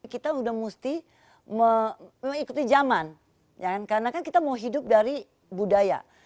kita udah mesti mengikuti zaman ya kan karena kan kita mau hidup dari budaya